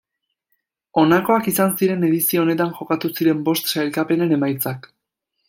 Honakoak izan ziren edizio honetan jokatu ziren bost sailkapenen emaitzak.